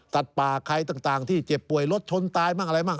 สัตว์ปลาใครต่างที่เจ็บป่วยรถชนตายอะไรบ้าง